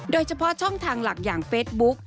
โดยเฉพาะช่องทางหลักอย่างเฟซบุ๊ก